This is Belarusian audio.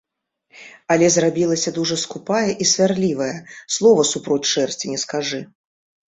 Але зрабілася дужа скупая і сварлівая, слова супроць шэрсці не скажы.